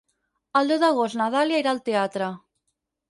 El deu d'agost na Dàlia irà al teatre.